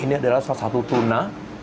ini adalah salah satu tuna